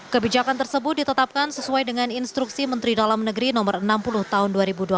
kebijakan tersebut ditetapkan sesuai dengan instruksi menteri dalam negeri no enam puluh tahun dua ribu dua puluh